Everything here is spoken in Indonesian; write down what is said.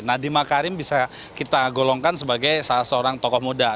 nadiem makarim bisa kita golongkan sebagai salah seorang tokoh muda